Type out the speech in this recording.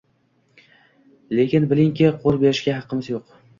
Lekin bilingki, qo'l berishga haqqimiz yo'q